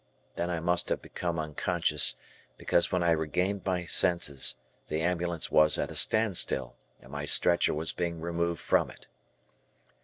Then I must have become unconscious, because when I regained my senses, the ambulance was at a standstill, and my stretcher was being removed from it.